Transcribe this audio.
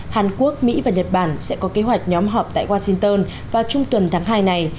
hàn quốc mỹ và nhật bản sẽ có kế hoạch nhóm họp tại washington vào trung tuần tháng hai này